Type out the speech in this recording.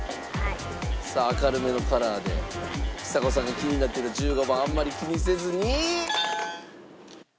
さあ明るめのカラーでちさ子さんが気になっている１５番はあんまり気にせずに！